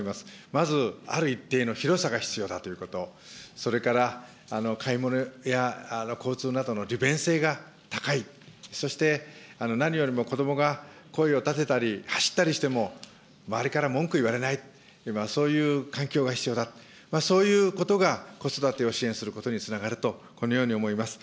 まずある一定の広さが必要だということ、それから買い物や交通などの利便性が高い、そして何よりも子どもが声を立てたり、走ったりしても、周りから文句言われない、今、そういう環境が必要だ、そういうことが子育てを支援することにつながると、このように思います。